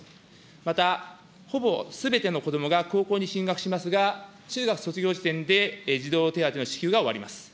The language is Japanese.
また、ほぼすべての子どもが高校に進学しますが、中学卒業時点で児童手当の支給が終わります。